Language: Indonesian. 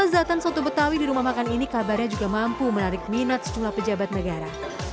kelezatan soto betawi di rumah makan ini kabarnya juga mampu menarik minat sejumlah pejabat negara